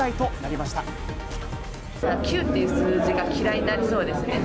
９っていう数字が嫌いになりそうですね。